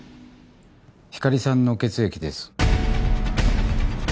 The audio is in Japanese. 光莉さんの血液です。